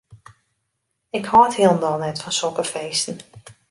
Ik hâld hielendal net fan sokke feesten.